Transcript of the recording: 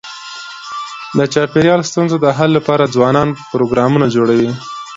د چاپېریال ستونزو د حل لپاره ځوانان پروګرامونه جوړوي.